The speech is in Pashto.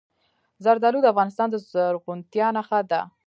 زردالو د افغانستان د زرغونتیا نښه ده.